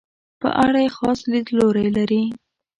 په اړه یې خاص لیدلوری لري.